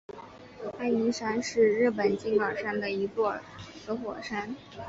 爱鹰山是日本静冈县的一座死火山。